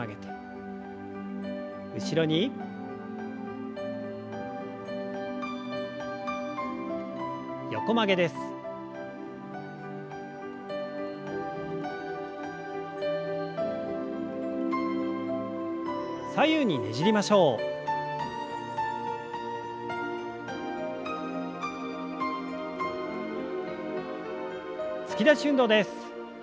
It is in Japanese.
突き出し運動です。